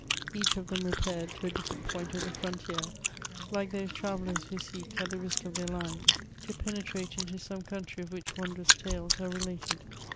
Each of them repaired to a different point of the frontier, like those travellers who seek, at the risk of their lives, to penetrate into some country of which wondrous tales are related.